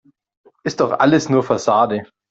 Ist doch alles nur Fassade.